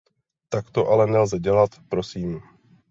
Tak to ale nelze dělat, prosím.